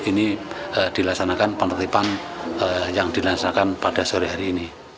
ini dilaksanakan penertiban yang dilaksanakan pada sore hari ini